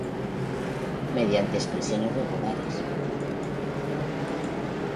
Mediante expresiones regulares.